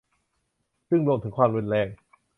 ซึ่งรวมถึงความรุนแรง